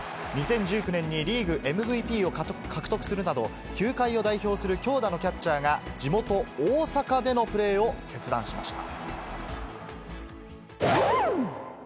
２０１９年にリーグＭＶＰを獲得するなど、球界を代表する強打のキャッチャーが、地元、大阪でのプレーを決断しました。